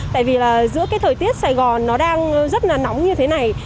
tại vì là giữa cái thời tiết sài gòn nó đang rất là nóng như thế này